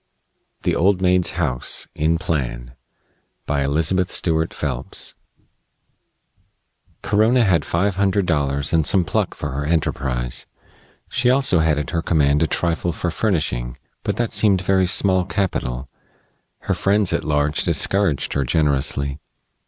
THE OLD MAID'S HOUSE: IN PLAN BY ELIZABETH STUART PHELPS Corona had five hundred dollars and some pluck for her enterprise. She had also at her command a trifle for furnishing. But that seemed very small capital. Her friends at large discouraged her generously.